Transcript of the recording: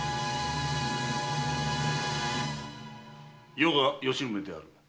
余が吉宗である。